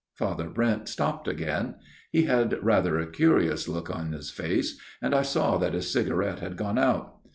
Father Brent stopped again. He had rather a curious look in his face, and I saw that his cigarette had gone out.